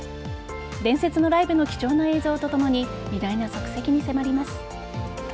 伝説のライブの貴重な映像とともに偉大な足跡に迫ります。